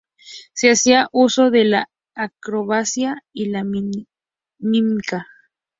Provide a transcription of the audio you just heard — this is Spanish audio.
Se hacía uso de la acrobacia y la mímica.